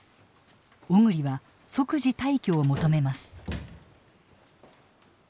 小栗は即時退去を求めます。